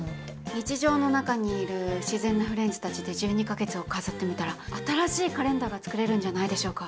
日常の中にいる自然なフレンズたちで１２か月を飾ってみたら新しいカレンダーが作れるんじゃないでしょうか。